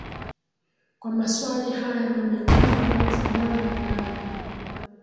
kwa maswali haya na mengine yanayofanana nayo